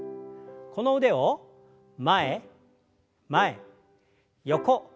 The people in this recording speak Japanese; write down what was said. この腕を前前横横。